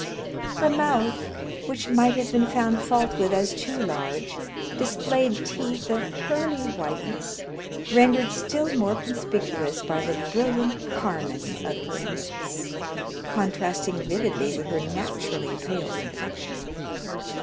Her mouth, which might have been found fault with as too large, displayed teeth of pearly whiteness, rendered still more conspicuous by the brilliant carmine of her lips, contrasting vividly with her naturally pale complexion.